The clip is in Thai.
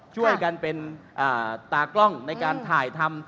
ช่วยกันเป็นตากล้องในการถ่ายทำ